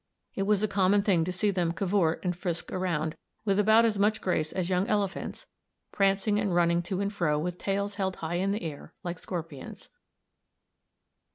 It was a common thing to see them cavort and frisk around with about as much grace as young elephants, prancing and running to and fro with tails held high in air "like scorpions."